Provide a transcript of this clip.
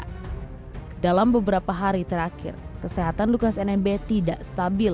dalam beberapa hari terakhir kesehatan lukas nmb tidak stabil